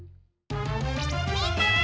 みんな！